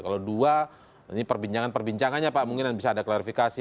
kalau dua ini perbincangan perbincangannya pak mungkin bisa ada klarifikasi